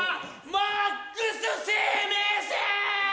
マックス生命線！